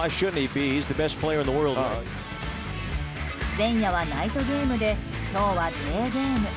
前夜はナイトゲームで今日はデーゲーム。